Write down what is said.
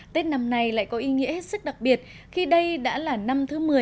tết năm nay lại có ý nghĩa hết sức đặc biệt khi đây đã là năm thứ một mươi